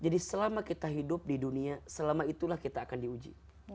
jadi selama kita hidup di dunia selama itulah kita akan diuji